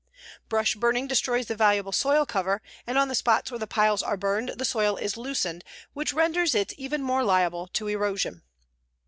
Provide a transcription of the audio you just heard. Brush burning destroys the valuable soil cover, and on the spots where the piles are burned the soil is loosened, which renders it even more liable to erosion.